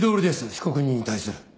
被告人に対する。